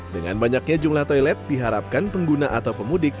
dengan banyaknya jumlah toilet diharapkan pengguna atau pemudik